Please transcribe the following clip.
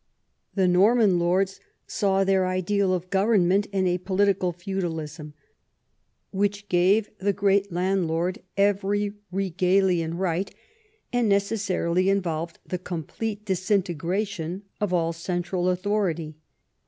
The Norman lords saw their ideal of government in a political feudalism which gave the great landlord every regalian right, and necessarily involved the complete disintegration of all central authority.